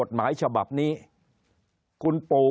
คนในวงการสื่อ๓๐องค์กร